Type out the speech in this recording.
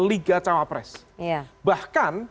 liga cawapres bahkan